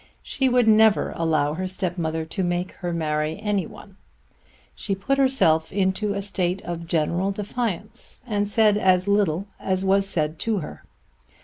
She would never allow her stepmother to make her marry any one. She put herself into a state of general defiance and said as little as was said to her.